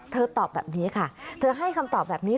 ตอบแบบนี้ค่ะเธอให้คำตอบแบบนี้